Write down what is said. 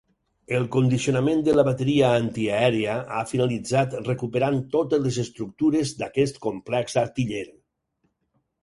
El condicionament de la bateria antiaèria ha finalitzat recuperant totes les estructures d’aquest complex artiller.